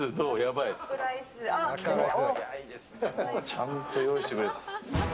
ちゃんと用意してくれてる。